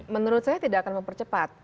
menurut saya tidak akan mempercepat